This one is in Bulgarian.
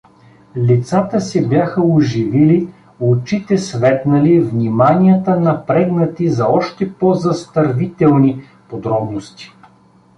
Лицата се бяха оживили, очите светнали, вниманията напрегнати за още по-застървителни подробности.